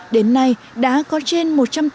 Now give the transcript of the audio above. đến nay đã có trên